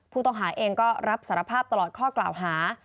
ผู้ต้องหาเองก็รับสารภาพตลอดข้อกล่าวหา